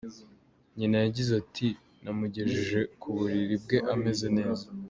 Nyina yagize ati :« Namugejeje ku buriri bwe ameze neza.